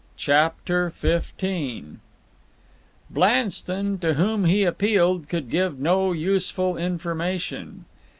CHAPTER XV Blanston, to whom he appealed, could give no useful information.